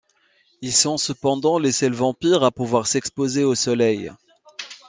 Ils sont cependant les seuls vampires à pouvoir s'exposer au soleil.